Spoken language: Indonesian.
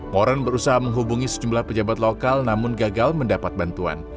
moran berusaha menghubungi sejumlah pejabat lokal namun gagal mendapat bantuan